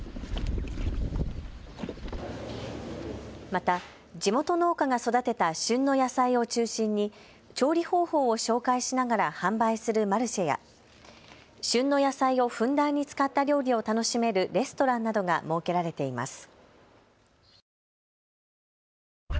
また地元農家が育てた旬の野菜を中心に調理方法を紹介しながら販売するマルシェや旬の野菜をふんだんに使った料理を楽しめるレストランなどが設けられています。